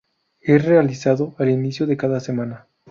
Es realizado al inicio de cada semana.